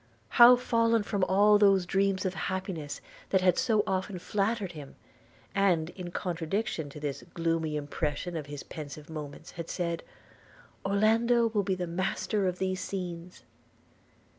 How fallen from all those dreams of happiness that had so often flattered him, and, in contradiction to this gloomy impression of his pensive moments, had said – 'Orlando will be the master of these scenes!'